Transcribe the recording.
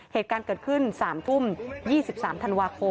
เหตุการณ์เกิดขึ้น๓ทุ่ม๒๓ธันวาคม